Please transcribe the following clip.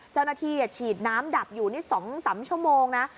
เจ้าหน้าที่ฉีดน้ำดับอยู่นี่๒๓ชั่วโมงนะ